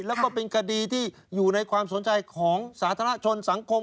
แล้วก็เป็นคดีที่อยู่ในความสนใจของสาธารณชนสังคม